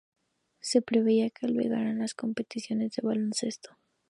Se preveía que albergara las competiciones de baloncesto.